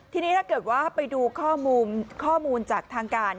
ทีนี้ถ้าเกิดว่าไปดูข้อมูลข้อมูลจากทางการ